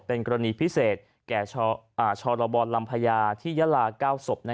เป็นกรณีพิเศษแก่ชรบรลำพญาที่ยาลา๙ศพ